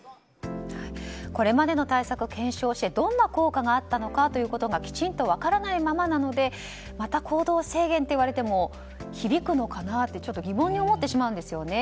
これまでの対策を検証してどんな効果があったのかということがきちんと分からないままなのでまた行動制限といわれても響くのかなとちょっと疑問に思ってしまうんですよね。